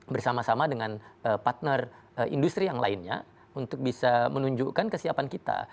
bersama sama dengan partner industri yang lainnya untuk bisa menunjukkan kesiapan kita